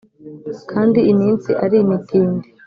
kandi iminsi ari imitindi